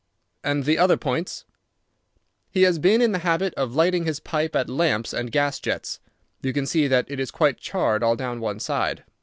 "And the other points?" "He has been in the habit of lighting his pipe at lamps and gas jets. You can see that it is quite charred all down one side.